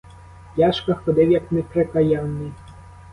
Яшка ходив, як неприкаяний.